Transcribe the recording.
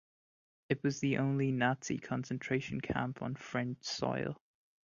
It was the only Nazi concentration camp on French soil.